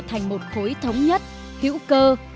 họ thành một khối thống nhất hữu cơ